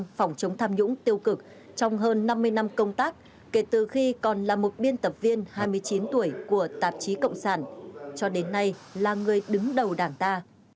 trong phòng chống tham nhũng tiêu cực trong hơn năm mươi năm công tác kể từ khi còn là một biên tập viên hai mươi chín tuổi của tạp chí cộng sản cho đến nay là người đứng đầu đảng ta